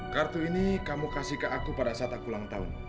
kartu ini kamu kasih ke aku pada saat aku ulang tahun